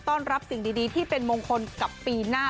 ต้อนรับสิ่งดีที่เป็นมงคลกับปีหน้า